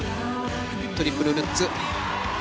トリプルルッツ。